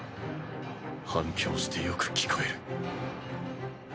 反響してよく聞こえる